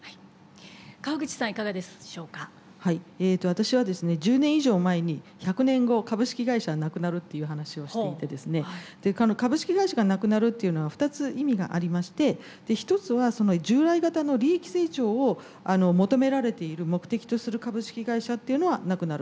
私はですね１０年以上前に１００年後株式会社はなくなるっていう話をしていてですね株式会社がなくなるというのは２つ意味がありまして一つは従来型の利益成長を求められている目的とする株式会社っていうのはなくなる。